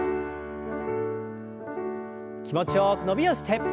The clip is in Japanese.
気持ちよく伸びをして。